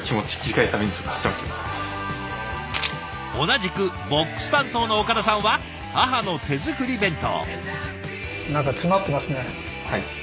同じくＢＯＸ担当の岡田さんは母の手作り弁当。